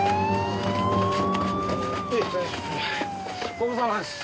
ご苦労さまです。